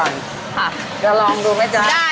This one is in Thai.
นี่แล้วก็น้ำตาล